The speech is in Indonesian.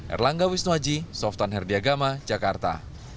erlangga wisnuaji softan herdiagama jakarta